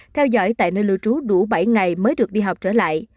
theo dõi tại nơi lưu trú đủ bảy ngày mới được đi học trở lại